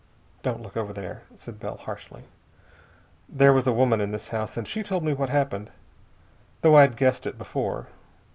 "Don't look over there," said Bell harshly. "There was a woman in this house and she told me what happened, though I'd guessed it before.